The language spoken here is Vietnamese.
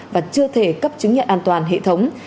và chưa thể cấp chứng nhận an toàn hệ thống